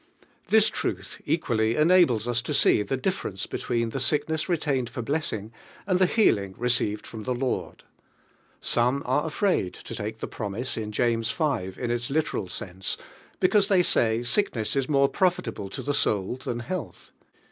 This truth equally enables us to see the difference between the sickness retained for blessing ] the healing received ii the I. >.id Smile are afraid to lake ili' 1 promise in James v. in its literal sense, because they say sickness is more n Stable to the son! than beaJth.